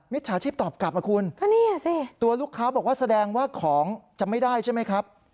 จฉาชีพตอบกลับมาคุณก็นี่สิตัวลูกค้าบอกว่าแสดงว่าของจะไม่ได้ใช่ไหมครับ